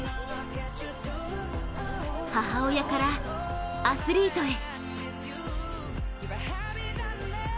母親から、アスリートへ。